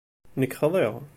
Nekk xḍiɣ.